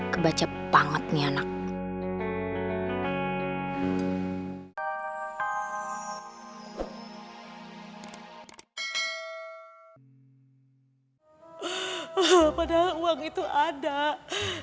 kebaca banget nih anak